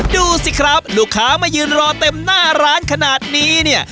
ดูสิครับลูกค้ามายืนรอเต็มหน้าร้านขนาดนี้เนี่ย